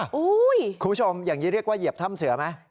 คุณผู้ชมอย่างนี้เรียกว่าเหยียบถ้ำเสือไหม